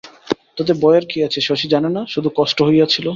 তাতে ভয়ের কী আছে শশী জানে না, শুধু কষ্ট হইয়াছিল।